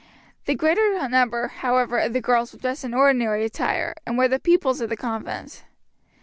The greater number, however, of the girls were dressed in ordinary attire, and were the pupils of the convent.